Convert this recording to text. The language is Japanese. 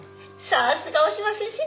さすが大嶋先生！